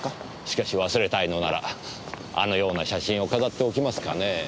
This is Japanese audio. しかし忘れたいのならあのような写真を飾っておきますかねぇ？